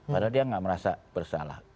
padahal dia nggak merasa bersalah